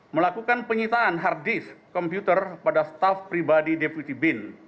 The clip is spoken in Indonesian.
melakukan penyitaan hard disk komputer pada staff pribadi deputi bin